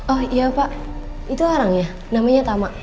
oh iya pak itu orangnya namanya tama